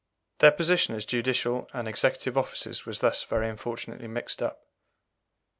Their position as judicial and executive officers was thus very unfortunately mixed up.